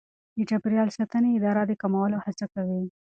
د چاپیریال ساتنې اداره د کمولو هڅه کوي.